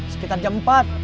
sekitar jam empat